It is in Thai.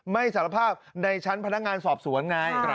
สารภาพในชั้นพนักงานสอบสวนไง